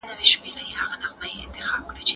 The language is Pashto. وخت ونیسه؟!